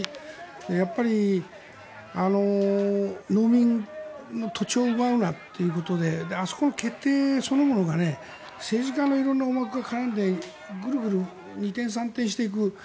やっぱり農民の土地を奪うということであそこの決定そのものが政治化の色んな思惑が絡んでぐるぐる二転三転していく。